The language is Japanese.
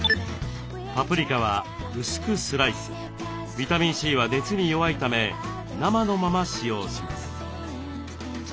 ビタミンＣは熱に弱いため生のまま使用します。